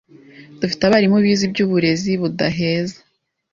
dufite abarimu bize iby’uburezi budaheza